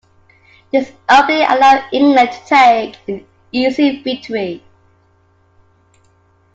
This opening allowed England to take an easy victory.